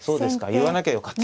言わなきゃよかった。